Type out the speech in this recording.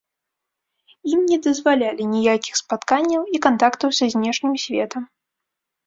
Ім не дазвалялі ніякіх спатканняў і кантактаў са знешнім светам.